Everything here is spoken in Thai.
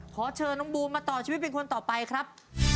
ขอเชิญน้องบูมมาต่อชีวิตเป็นคนต่อไปครับ